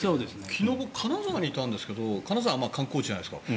昨日金沢にいたんですけど金沢も観光地じゃないですか。